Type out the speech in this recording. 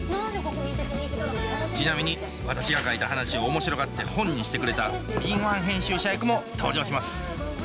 ちなみに私が書いた話を面白がって本にしてくれた敏腕編集者役も登場します